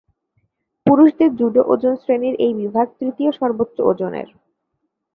পুরুষদের জুডো ওজন শ্রেণীর এই বিভাগ তৃতীয় সর্বোচ্চ ওজনের।